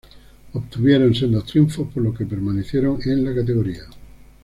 Obtuvieron sendos triunfos por lo que permanecieron en la categoría.